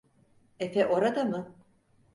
Efe orada mı?